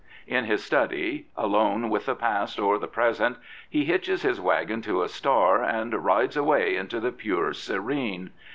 In his study, done with the past or the present, he hitches his wagon to a star and rides away into the pure serene.